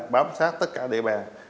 bám sát tất cả địa bàn